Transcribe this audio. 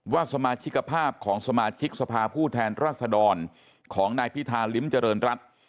ว่าสมาชิกภาพของสมาชิกสภาผู้แทนรัศดรของนายพิธาลิ้มเจริญรัฐ